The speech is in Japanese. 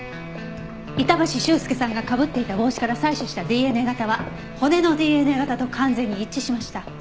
板橋秀介さんがかぶっていた帽子から採取したＤＮＡ型は骨のＤＮＡ型と完全に一致しました。